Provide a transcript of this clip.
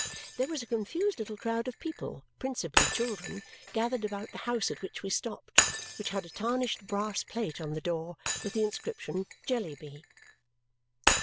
There was a confused little crowd of people, principally children, gathered about the house at which we stopped, which had a tarnished brass plate on the door with the inscription JELLYBY.